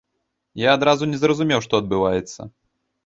Я адразу не зразумеў, што адбываецца.